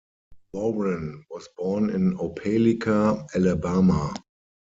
Warren was born in Opelika, Alabama.